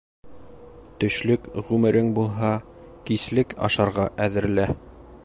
Төшлөк ғүмерең булһа, кислек ашарға әҙерлә.